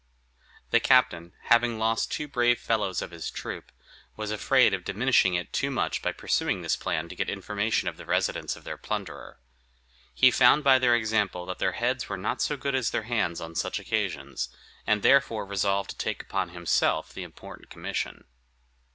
The captain, having lost two brave fellows of his troop, was afraid of diminishing it too much by pursuing this plan to get information of the residence of their plunderer. He found by their example that their heads were not so good as their hands on such occasions, and therefore resolved to take upon himself the important commission.